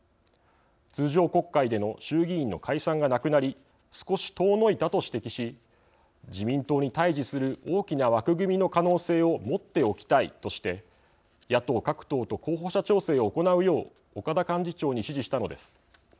通常国会での衆議院の解散がなくなり少し遠のいたと指摘し自民党に対じする大きな枠組みの可能性を持っておきたいとして野党各党と候補者調整を行うよう岡田幹事長に指示したのです。